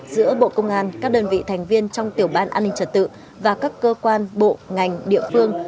giữa bộ công an các đơn vị thành viên trong tiểu ban an ninh trật tự và các cơ quan bộ ngành địa phương